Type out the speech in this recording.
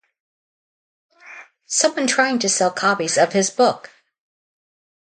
Someone trying to sell copies of his book.